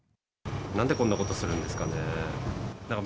なんでこんなことするんですかね。